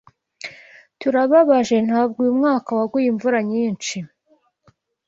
Turababajentabwo uyu mwaka waguye imvura nyinshi.